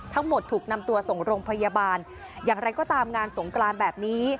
ถูกนำตัวส่งโรงพยาบาลอย่างไรก็ตามงานสงกรานแบบนี้